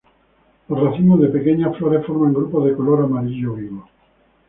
Los racimos de pequeñas flores forman grupos de color amarillo vivo.